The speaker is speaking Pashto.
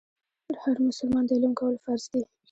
پر هر مسلمان د علم کول فرض دي.